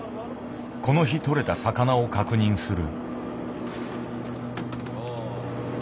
この日とれた魚を確認する。